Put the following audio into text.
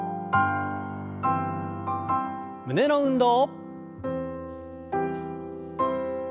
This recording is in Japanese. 胸の運動。